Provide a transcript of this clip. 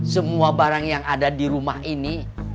semua barang yang ada di rumah ini